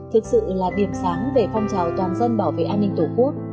thực sự là điểm sáng về phong trào toàn dân bảo vệ an ninh tổ quốc